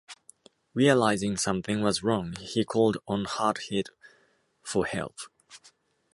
Realising something was wrong, he called on Hardhead for help.